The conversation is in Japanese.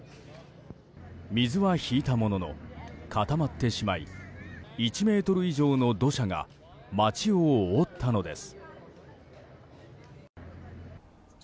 水は引いたものの固まってしまい１ｍ以上の土砂が町を覆ったのです。